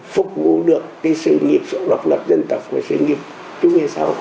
phục vụ được cái sự nghiệp sự độc lập dân tộc của sự nghiệp chúng ta